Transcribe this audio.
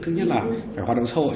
thứ nhất là phải hoạt động sâu ội